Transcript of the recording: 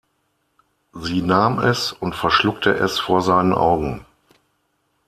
Sie nahm es und verschluckte es vor seinen Augen.